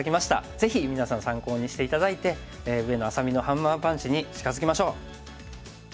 ぜひ皆さん参考にして頂いて上野愛咲美のハンマーパンチに近づきましょう。